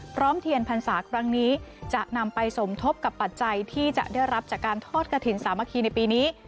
เทียนพรรษาครั้งนี้จะนำไปสมทบกับปัจจัยที่จะได้รับจากการทอดกระถิ่นสามัคคีในปีนี้